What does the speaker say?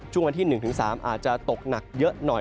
วันที่๑๓อาจจะตกหนักเยอะหน่อย